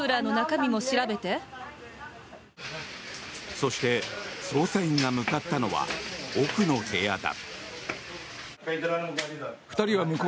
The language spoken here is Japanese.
そして、捜査員が向かったのは奥の部屋だ。